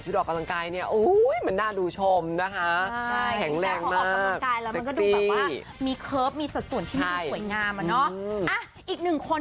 ถูกต้องนะคะก็ถุงเท้าสูงปรีกสีม่วงนะคะ